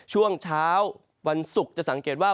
ช่วงเช้าวันศุกร์จะสังเกตว่า